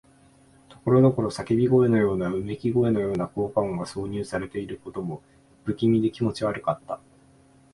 ところどころ叫び声のような、うめき声のような効果音が挿入されていることも、不気味で気持ち悪かった。